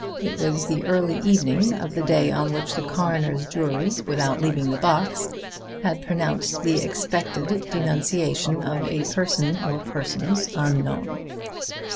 It was the early evening of the day on which the coroner's jury, without leaving the box, had pronounced the expected denunciation of a person or persons unknown.